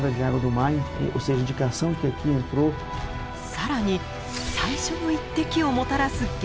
更に最初の一滴をもたらす源流へ。